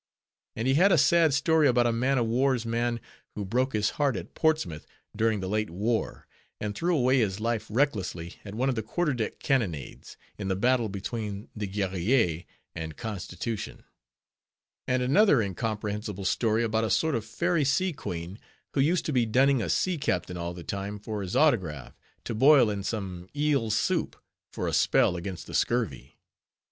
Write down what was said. And he had a sad story about a man of war's man who broke his heart at Portsmouth during the late war, and threw away his life recklessly at one of the quarter deck cannonades, in the battle between the Guerriere and Constitution; and another incomprehensible story about a sort of fairy sea queen, who used to be dunning a sea captain all the time for his autograph to boil in some eel soup, for a spell against the scurvy.